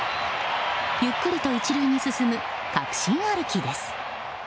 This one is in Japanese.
ゆっくりと１塁に進む確信歩きです。